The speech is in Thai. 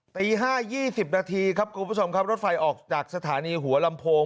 ตี๕๒๐นาทีครับคุณผู้ชมครับรถไฟออกจากสถานีหัวลำโพง